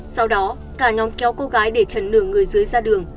sau đó cả nhóm kéo cô gái để trần lửa người dưới ra đường